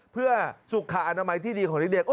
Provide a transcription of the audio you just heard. เพื่อสุขอนามัยที่ดีของเด็ก